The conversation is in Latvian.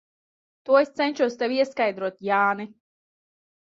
To es cenšos tev ieskaidrot, Jāni.